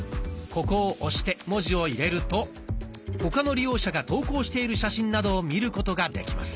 ここを押して文字を入れると他の利用者が投稿している写真などを見ることができます。